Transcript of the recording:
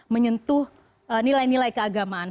menyentuh nilai nilai keagamaan